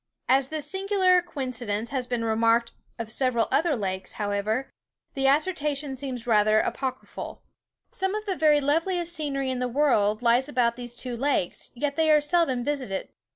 As this singular coincidence has been remarked of several other lakes, however, the assertion seems rather apocryphal. Some of the very loveliest scenery in the world lies about these two lakes, yet they are seldom visited.